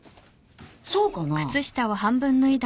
そうかな。